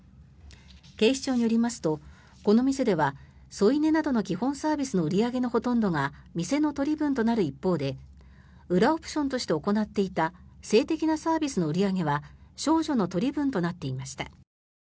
警視庁によりますとこの店では添い寝などの基本サービスの売り上げのほとんどが店の取り分となる一方で裏オプションとして行っていた性的なサービスの売り上げは少女の取り分となっていました。